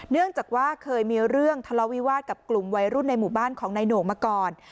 เนื่องจากว่าเคยมีเรื่องทะเลาวิวาสกับกลุ่มวัยรุ่นในหมู่บ้านของนายโหน่งมาก่อน